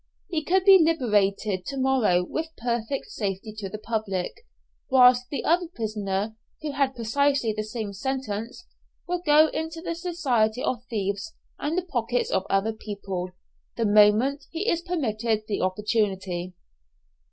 He could be liberated to morrow with perfect safety to the public, whilst the other prisoner, who had precisely the same sentence, will go into the society of thieves, and the pockets of other people, the moment he is permitted the opportunity.